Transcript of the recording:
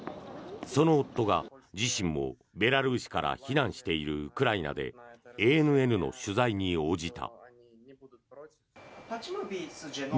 その夫が、自身もベラルーシから避難しているウクライナでＡＮＮの取材に応じた。